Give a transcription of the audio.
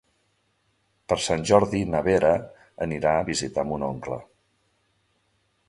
Per Sant Jordi na Vera anirà a visitar mon oncle.